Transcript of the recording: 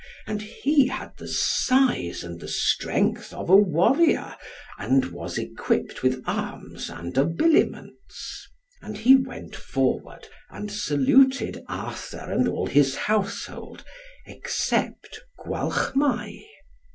And he had the size and the strength of a warrior, and was equipped with arms and habiliments. And he went forward, and saluted Arthur and all his household, except Gwalchmai.